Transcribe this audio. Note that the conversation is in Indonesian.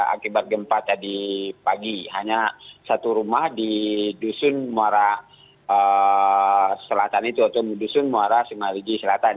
akibat gempa tadi pagi hanya satu rumah di dusun muara selatan itu atau dusun muara simaliji selatan